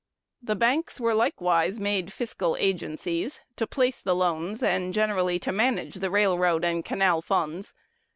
The banks were likewise made fiscal agencies, to place the loans, and generally to manage the railroad and canal funds.